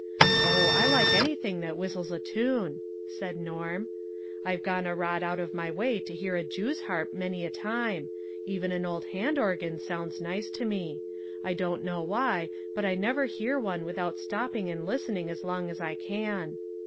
" Oh ! I like anything that whistles a tune !" said Norm. " I've gone a rod out of my way to hear a jew's harp many a time ; even an old hand organ sounds nice to me. I don't know why, but I never hear one without stopping and listen ing as long as I can."